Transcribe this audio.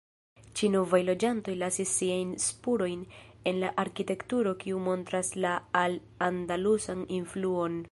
Ĉi novaj loĝantoj lasis siajn spurojn en la arkitekturo kiu montras la al-andalusan influon.